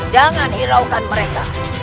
jangan hiraukan mereka